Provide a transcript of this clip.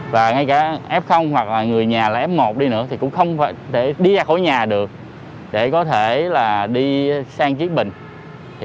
và ngay cả f hoặc người nhà f một đi nữa thì cũng không thể đi ra khỏi nhà được để có thể đi sang chiếc bình